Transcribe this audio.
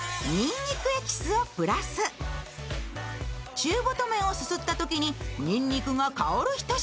中太麺をすすったときににんにくが香る一品。